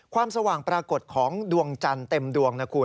สว่างปรากฏของดวงจันทร์เต็มดวงนะคุณ